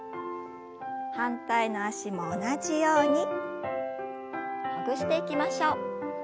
反対の脚も同じようにほぐしていきましょう。